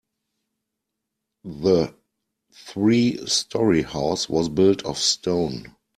The three story house was built of stone.